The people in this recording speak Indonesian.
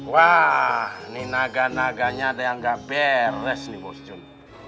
wah nih naga naganya ada yang gak beres nih bos jun